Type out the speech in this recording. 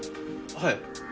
はい。